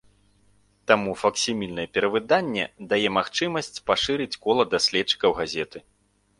Таму факсімільнае перавыданне дае магчымасць пашырыць кола даследчыкаў газеты.